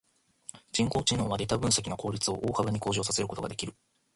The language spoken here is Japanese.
人工知能はデータ分析の効率を大幅に向上させることができる。